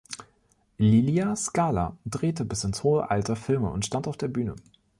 Lilia Skala drehte bis ins hohe Alter Filme und stand auf der Bühne.